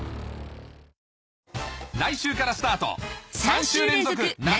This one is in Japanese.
来週からスタート！